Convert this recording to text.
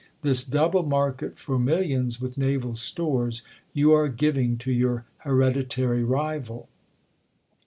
1 his double market for millions with naval stores, you arc giving to your hereditary rival.